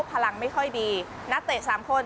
พลังไม่ค่อยดีนักเตะ๓คน